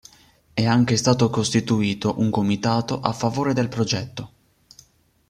È anche stato costituito un comitato a favore del progetto.